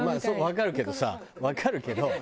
わかるけどさわかるけど。